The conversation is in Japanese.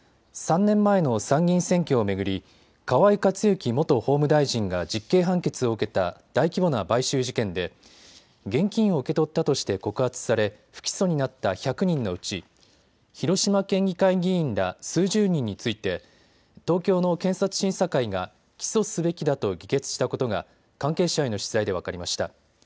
３年前の参議院選挙を巡り河井克行元法務大臣が実刑判決を受けた大規模な買収事件で現金を受け取ったとして告発され不起訴になった１００人のうち広島県議会議員ら数十人について東京の検察審査会が起訴すべきだと議決したことが関係者への取材で分かりました。